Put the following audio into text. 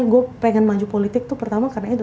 gue pengen maju politik itu pertama karena itu